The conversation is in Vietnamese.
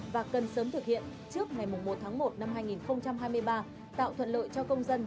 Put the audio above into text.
và cần sớm thực hiện trước ngày một tháng một năm hai nghìn hai mươi ba tạo thuận lợi cho công dân